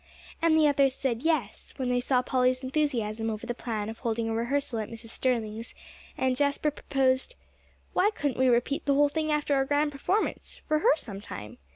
And the others said "Yes," when they saw Polly's enthusiasm over the plan of holding a rehearsal at Mrs. Sterling's; and Jasper proposed, "Why couldn't we repeat the whole thing after our grand performance, for her sometime?"